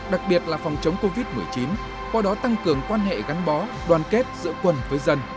đặc biệt là phòng chống covid một mươi chín qua đó tăng cường quan hệ gắn bó đoàn kết giữa quân với dân